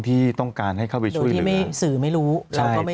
ที่ต้องการให้เข้าไปช่วยเหลือน้องโดยที่สื่อไม่รู้เราก็ไม่รู้ใช่